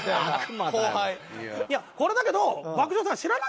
いやこれだけど。